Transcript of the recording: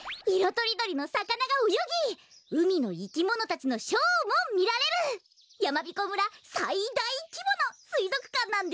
とりどりのさかながおよぎうみのいきものたちのショーもみられるやまびこ村さいだいきぼのすいぞくかんなんですよ。